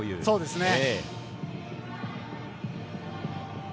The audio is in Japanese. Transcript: そうですね。